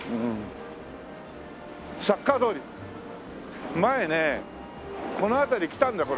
「サッカー通り」前ねこの辺り来たんだよ。